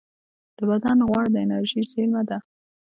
د بدن غوړ د انرژۍ زېرمه ده